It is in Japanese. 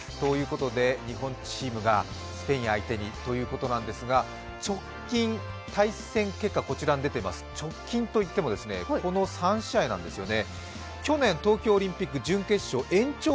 日本チームがスペイン相手にということなんですが直近、対戦結果こちらに出ています直近といってもこの３試合なんですよね。